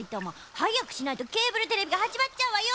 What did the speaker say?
はやくしないとケーブルテレビがはじまっちゃうわよ。